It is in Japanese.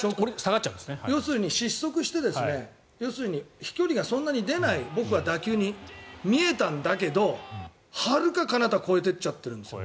要するに失速して飛距離がそんなに出ない打球に見えたんだけどはるかかなたに越えていっちゃってるんですよ。